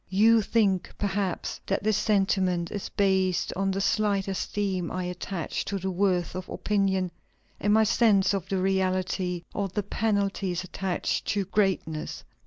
You think, perhaps, that this sentiment is based on the slight esteem I attach to the worth of opinion, and my sense of the reality of the penalties attached to greatness.